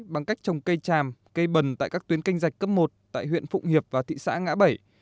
bằng cách trồng cây tràm cây bần tại các tuyến canh dạch cấp một tại huyện phụng hiệp và thị xã ngã bảy